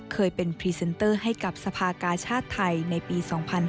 เคยเป็นพรีเซนเตอร์ให้กับสภากาชาติไทยในปี๒๕๕๙